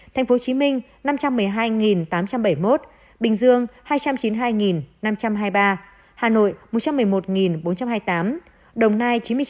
tp hcm năm trăm một mươi hai tám trăm bảy mươi một bình dương hai trăm chín mươi hai năm trăm hai mươi ba hà nội một trăm một mươi một bốn trăm hai mươi tám đồng nai chín mươi chín sáu trăm tám mươi sáu tây ninh tám mươi bảy hai trăm tám mươi chín